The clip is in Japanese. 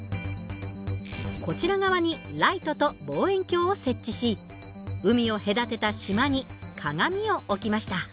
こちら側にライトと望遠鏡を設置し海を隔てた島に鏡を置きました。